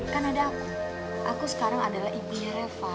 kan ada aku sekarang adalah ibunya reva